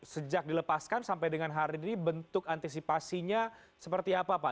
sejak dilepaskan sampai dengan hari ini bentuk antisipasinya seperti apa pak